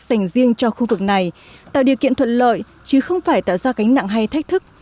dành riêng cho khu vực này tạo điều kiện thuận lợi chứ không phải tạo ra cánh nặng hay thách thức